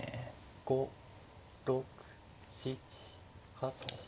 ５６７８。